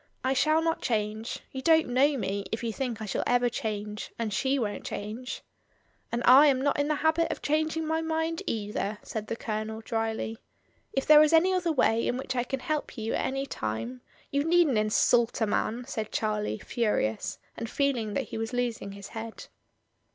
"I shall not change; you don't know STELLA M£A. l8l me, if you think I shall ever change; and she won't change." "And I am not in the habit of changing my mind either," said the Colonel, dryly. "If there is any other way in which I can help you at any time " "You needn't insult a man," said Charlie, furious, and feeling that he was losing his head.